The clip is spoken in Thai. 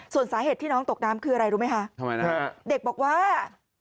ส่วนสาเหตุที่น้องตกน้ำคืออะไรรู้ไหมคะทำไมนะฮะเด็กบอกว่า